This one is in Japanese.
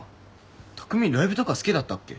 匠ライブとか好きだったっけ？